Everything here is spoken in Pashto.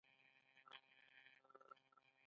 وایي: خدای دې له ټل کسټم نه واړوه.